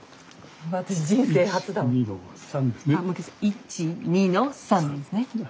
１・２の３ですね。